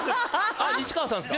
あっ西川さんですか？